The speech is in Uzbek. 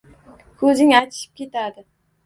Ko‘zing achishib ketadi.